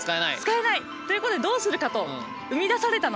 使えない。ということでどうするかと何だそれ。